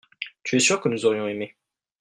tu es sûr que nous aurions aimé.